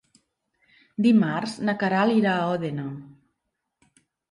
Dimarts na Queralt irà a Òdena.